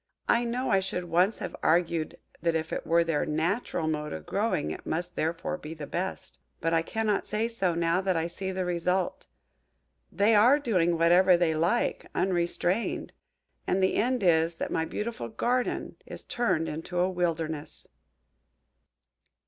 I know I should once have argued that if it were their natural mode of growing it must therefore be the best. But I cannot say so, now that I see the result. They are doing whatever they like, unrestrained and the end is, that my beautiful GARDEN is turned into a WILDERNESS."